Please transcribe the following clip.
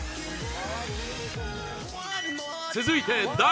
続いて、第